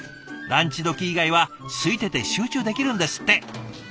ランチどき以外はすいてて集中できるんですって。